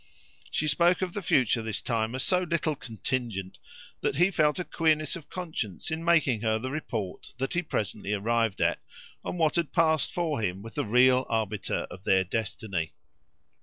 She spoke of the future this time as so little contingent that he felt a queerness of conscience in making her the report that he presently arrived at on what had passed for him with the real arbiter of their destiny.